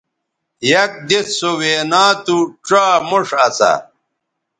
یک دِس سو وینا تھو ڇا موݜ اسا